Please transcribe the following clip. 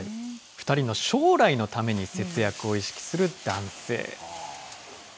２人の将来のために節約を意識する男性。